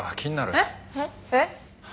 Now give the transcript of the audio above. えっ？えっ？